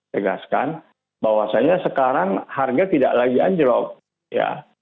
jelaskan bahwasanya sekarang harga tidak lagi anjlok ya